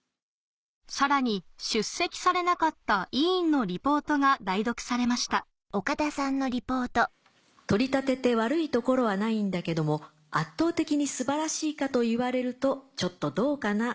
さらに出席されなかった委員のリポートが代読されました「取り立てて悪い所はないんだけども圧倒的に素晴らしいかといわれるとちょっとどうかな？